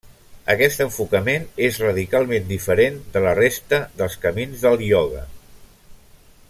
Aquest enfocament és radicalment diferent de la resta dels camins del ioga.